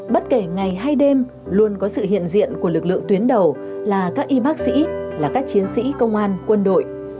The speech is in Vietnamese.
bất kể ngày hay đêm luôn có sự hiện diện của lực lượng tuyến đầu là các y bác sĩ là các chiến sĩ công an quân đội